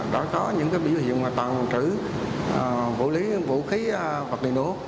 đã có những biểu hiện tàng trữ vũ khí vật liệu nổ